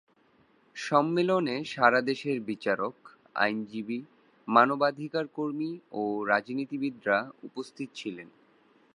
সম্মেলনে সারাদেশের বিচারক, আইনজীবী, মানবাধিকার কর্মী ও রাজনীতিবিদরা উপস্থিত ছিলেন।